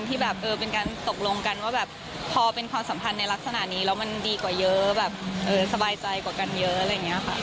ที่แบบเออเป็นการตกลงกันว่าแบบพอเป็นความสัมพันธ์ในลักษณะนี้แล้วมันดีกว่าเยอะแบบสบายใจกว่ากันเยอะอะไรอย่างนี้ค่ะ